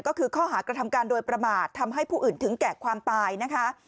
ก็คือข้อหากระทำการโดยประมาททำให้ผู้อื่นถึงแก่ความตายนะคะ